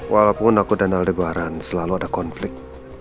walaupun aku dan aldebaran selalu ada konflik